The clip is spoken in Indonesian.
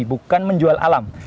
bukan menjual alam